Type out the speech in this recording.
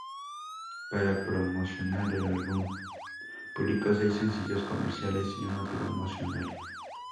Para promocionar el álbum, MØ publicó seis sencillos comerciales y uno promocional.